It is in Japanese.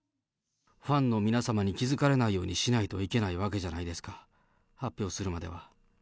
ファンの皆様に気付かれないようにしないといけないわけじゃないですか、発表するまでは。